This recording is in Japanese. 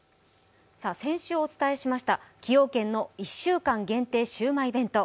先週お伝えしました崎陽軒の１週間限定シウマイ弁当。